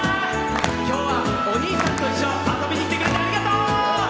今日はおにいさんといっしょ遊びに来てくれてありがとう！